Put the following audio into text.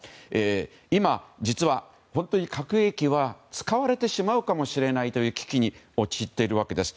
今、実は本当に核兵器は使われてしまうかもしれないという危機に陥っているわけです。